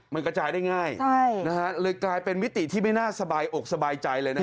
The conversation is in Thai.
มันกระจายได้ง่ายเลยกลายเป็นมิติที่ไม่น่าสบายอกสบายใจเลยนะฮะ